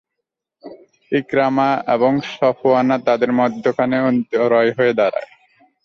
ইকরামা এবং সফওয়ান তাদের মাঝখানে অন্তরায় হয়ে দাঁড়ায়।